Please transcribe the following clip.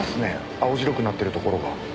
青白くなってるところが。